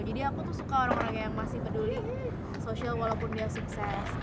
jadi aku tuh suka orang orang yang masih peduli social walaupun dia sukses